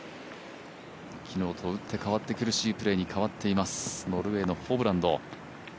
昨日と打って変わって苦しいプレーに変わっています、ノルウェーのホブランド。